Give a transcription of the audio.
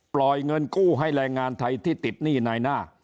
ปล่อยเงินกู้ให้แรงงานไทยที่ติดหนี้นายหน้า